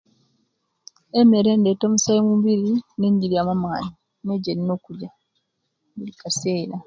Emere ereta omusayi omubiri ne enjirya mu amani niyo ejenina okulya bulikasera